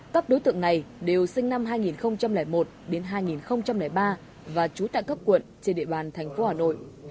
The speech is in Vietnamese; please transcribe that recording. tấp đối tượng này đều sinh năm hai nghìn một hai nghìn ba và trú tại cấp quận trên địa bàn tp hà nội